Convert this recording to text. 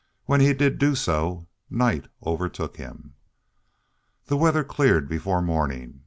When he did do so, night overtook him. The weather cleared before morning.